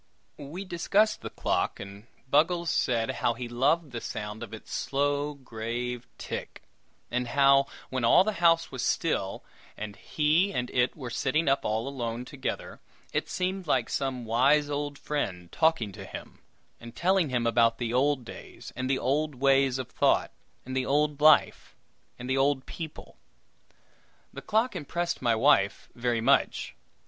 We discussed the clock, and Buggles said how he loved the sound of its slow, grave tick; and how, when all the house was still, and he and it were sitting up alone together, it seemed like some wise old friend talking to him, and telling him about the old days and the old ways of thought, and the old life and the old people. The clock impressed my wife very much.